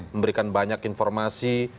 memberikan banyak informasi